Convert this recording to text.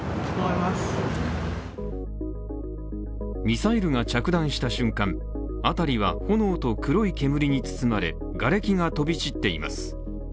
ミサイルが着弾した瞬間、辺りは炎と黒い煙に包まれがれきが飛び散っています。